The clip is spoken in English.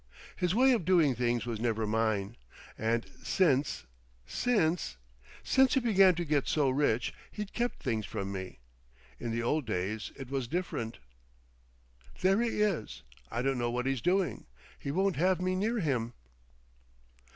His way of doing things was never mine. And since—since—. Since he began to get so rich, he's kept things from me. In the old days—it was different.... "There he is—I don't know what he's doing. He won't have me near him....